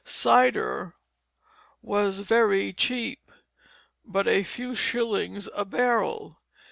Cider was very cheap; but a few shillings a barrel.